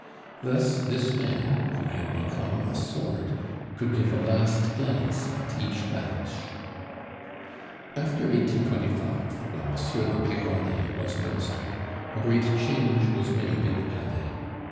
Thus this man, who had become a sword, could give a last glance at each batch. After 1825, when Monsieur de Peyronnet was Minister, a great change was made in the Palais.